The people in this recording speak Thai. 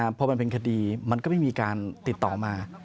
พอมันเป็นคดีมันก็ไม่มีการติดต่อมา